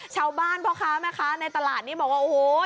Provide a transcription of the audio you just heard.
ชาวบ้านพ่อค้าไหมคะในตลาดนี้บอกว่าโอ้โฮ